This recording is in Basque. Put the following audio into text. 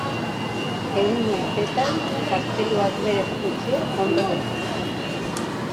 Ehun urtetan gazteluak bere funtzioa ondo bete zuen.